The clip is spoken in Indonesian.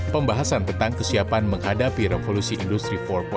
pembahasan tentang kesiapan menghadapi revolusi industri empat